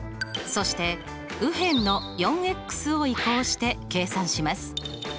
そして右辺の４を移項して計算します。